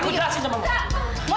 mau jadi anak kamu